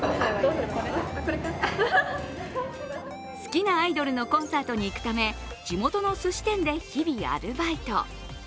好きなアイドルのコンサートに行くため地元のすし店で日々アルバイト。